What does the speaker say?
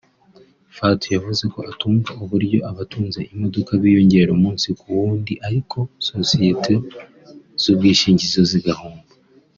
Fatou yavuze ko atumva uburyo abatunze imodoka biyongera umunsi ku wundi ariko sosiyete z’ubwishingizi zo zigahomba